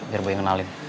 biar boy yang kenalin